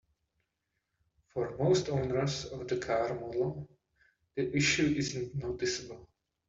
For most owners of the car model, the issue isn't noticeable.